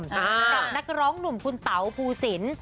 กับนักร้องหนุ่มคุณเต๋าภูสิน